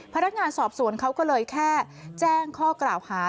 พนักงานสอบสวนเขาก็เลยแค่แจ้งข้อกล่าวหา